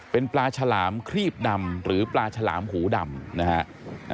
เป็นปลาฉลามครีบดำหรือปลาฉลามหูดำนะฮะ